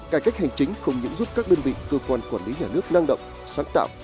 cải cách hành chính không những giúp các đơn vị cơ quan quản lý nhà nước năng động sáng tạo